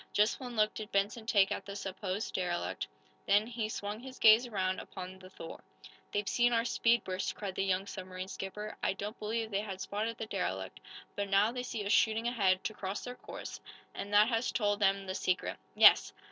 Just one look did Benson take at the supposed derelict. Then he swung his gaze around upon the "Thor." "They've seen our speed burst," cried the young submarine skipper. "I don't believe they had spotted the derelict, but now they see us shooting ahead, to cross their course, and that has told them the secret. Yes!